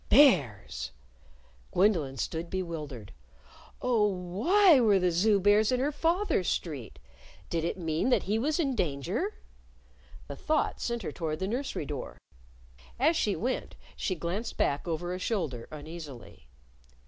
Bears! Gwendolyn stood bewildered. Oh, why were the Zoo bears in her father's street? Did it mean that he was in danger? The thought sent her toward the nursery door. As she went she glanced back over a shoulder uneasily.